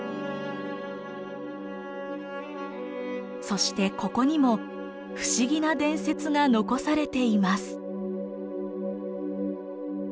そしてここにも不思議な伝説が残されています。